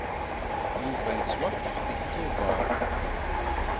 Yuba yettwaṭṭef deg Tubeṛ.